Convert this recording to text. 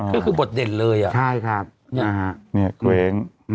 โค้ดคือบทเด่นเลยอะเนี่ยเว้ง